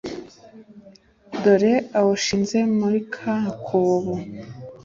dore awushinze muri ka kobo,